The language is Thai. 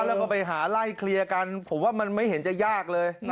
แล้วก็ไปหาไล่เคลียร์กันผมว่ามันไม่เห็นจะยากเลย